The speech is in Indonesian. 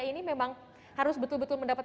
ini memang harus betul betul mendapat